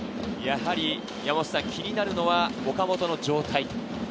気になるのは岡本の状態。